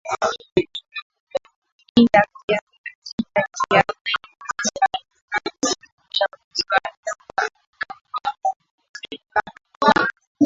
i ya kiafya na kisayansi Uchafuzi wa hewa unajulikana kuwa na